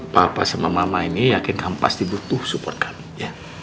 papa sama mama ini yakin kami pasti butuh support kami ya